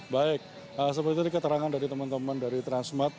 baik seperti keterangan dari teman teman dari transmart